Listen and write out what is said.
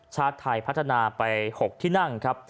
ชาติไทยพัฒนาไป๖ที่นั่งครับ